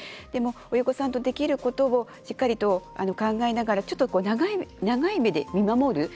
でも、親御さんとできることをしっかりと考えながら長い目で見守る。